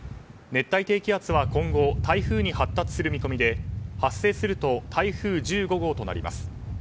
熱帯低気圧は今後台風に発達する見込みで、発生すると台風１５号となります。